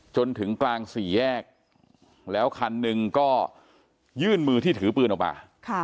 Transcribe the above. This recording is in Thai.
จนถึงกลางสี่แยกแล้วคันหนึ่งก็ยื่นมือที่ถือปืนออกมา